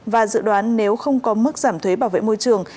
và dự đoán nếu không có mức giảm thuế bảo vệ môi trường